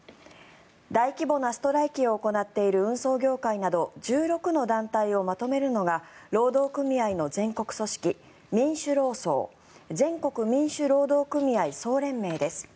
大規模なストライキを行っている運送業界など１６の団体をまとめるのが労働組合の全国組織民主労総民主労総・全国民主労働組合総連盟です。